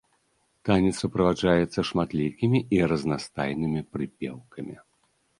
Танец суправаджаецца шматлікімі і разнастайнымі прыпеўкамі.